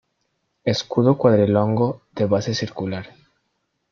Escudo cuadrilongo, de base circular.